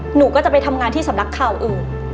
หนูก็จะไปทำงานที่สำนักข่าวอื่น